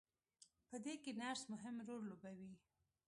په دې کې نرس مهم رول لوبوي.